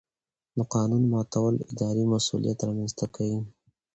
د قانون ماتول اداري مسؤلیت رامنځته کوي.